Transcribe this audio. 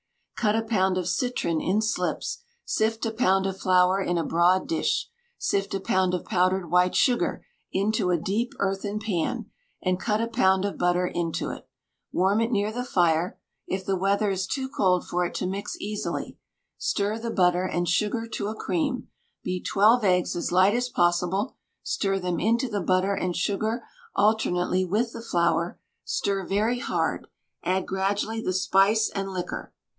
Cut a pound of citron in slips; sift a pound of flour in a broad dish, sift a pound of powdered white sugar into a deep earthen pan, and cut a pound of butter into it. Warm it near the fire, if the weather is too cold for it to mix easily. Stir the butter and sugar to a cream; beat twelve eggs as light as possible; stir them into the butter and sugar alternately with the flour; stir very hard; add gradually the spice and liquor.